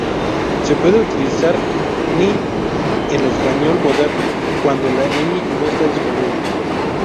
Se puede utilizar "ny" en el español moderno cuando la "ñ" no está disponible.